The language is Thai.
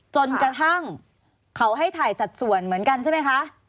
จนกระทั่งเขาให้ถ่ายสัดส่วนเหมือนกันใช่ไหมคะ